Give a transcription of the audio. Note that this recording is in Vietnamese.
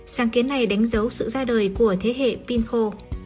sáng kiến này đánh dấu sự ra đời của thế hệ pin khô